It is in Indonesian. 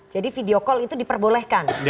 jadi video call itu diperbolehkan